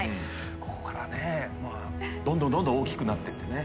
ここからねどんどんどんどん大きくなってってね。